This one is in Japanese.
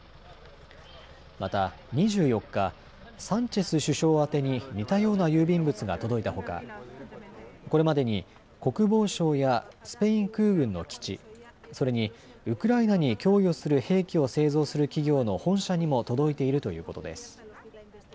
また２４日、サンチェス首相宛てに似たような郵便物が届いたほかこれまでに国防省やスペイン空軍の基地、それにウクライナに供与する兵器を製造する企業の本社にも届いているということです。